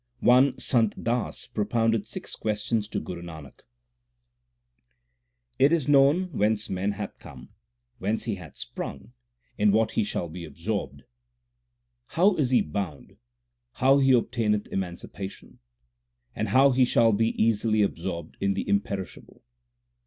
One Sant Das propounded six questions to Guru Nanak : Is it known whence man hath come, Whence he hath sprung, in what he shall be absorbed, U 2 292 THE SIKH RELIGION How he is bound, how he obtaineth emancipation, And how he shall be easily absorbed in the Imperishable